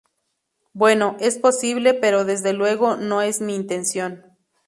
Bueno, es posible, pero desde luego no es mi intención.